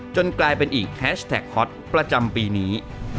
กลายเป็นอีกแฮชแท็กฮอตประจำปีนี้